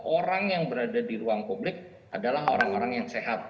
orang yang berada di ruang publik adalah orang orang yang sehat